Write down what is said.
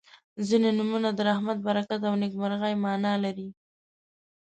• ځینې نومونه د رحمت، برکت او نیکمرغۍ معنا لري.